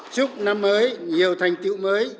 chúc năm mới nhiều thành tựu mới